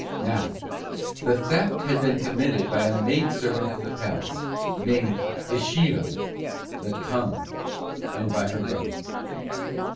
"Now, the theft had been committed by a Maidservant of the Palace named Dschiva (the Tongue) and by her brother.